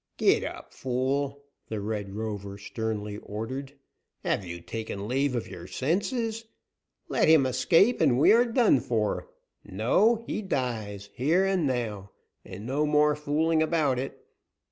"Get up, fool!" the Red Rover sternly ordered. "Have you taken leave of your senses? Let him escape, and we are done for. No, he dies, here and now, and no more fooling about it.